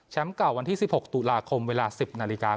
เก่าวันที่๑๖ตุลาคมเวลา๑๐นาฬิกา